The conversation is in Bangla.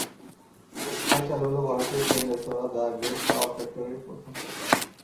ঢাকায় চালু হলো ভারতীয় chain restaurant The Great Kabab ফ্যাক্টরির প্রথম শাখা।